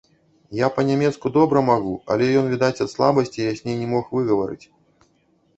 Я па-нямецку добра магу, але ён, відаць ад слабасці, ясней не мог выгаварыць.